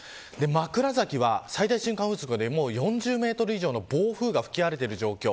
枕崎は最大瞬間風速で４０メートル以上の暴風が吹き荒れている状況。